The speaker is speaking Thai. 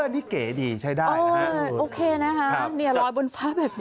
นี่เก๋ดีใช้ได้โอเคนะคะเนี่ยรอยบนฟ้าแบบนี้